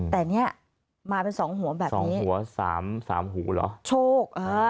แต่เนี่ยมาเป็น๒หัวแบบนี้๒หัว๓หูเหรอ